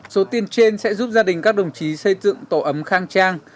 số tiền trên sẽ giúp gia đình các đồng chí xây dựng tổ ấm khang trang